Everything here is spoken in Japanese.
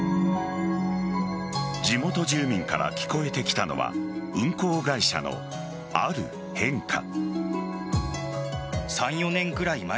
地元住民から聞こえてきたのは運航会社のある変化。